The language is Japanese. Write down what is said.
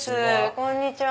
こんにちは。